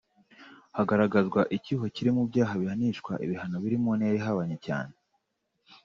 hagaragazwa icyuho kiri mu byaha bihanishwa ibihano biri mu ntera ihabanye cyane